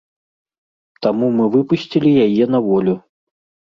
Таму мы выпусцілі яе на волю.